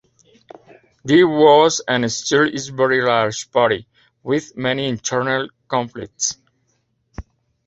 This was and still is a very large party with many internal conflicts.